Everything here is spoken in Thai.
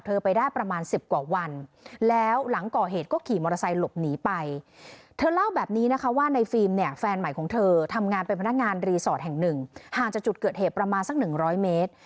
ทำงานเป็นพนักงานรีสอร์ทแห่งนึงห่างจากจุดเกิดเหตุประมาณสักหนึ่งร้อยเมตร